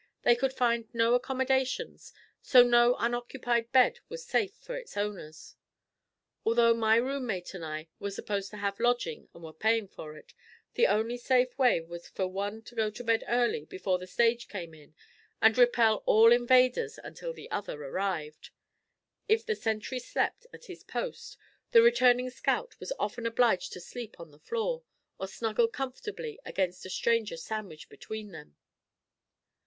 They could find no accommodations so no unoccupied bed was safe for its owners. Although my roommate and I were supposed to have lodging and were paying for it, the only safe way was for one to go to bed early before the stage came in and repel all invaders until the other arrived. If the sentry slept at his post the returning scout was often obliged to sleep on the floor, or snuggle comfortably against a stranger sandwiched between them.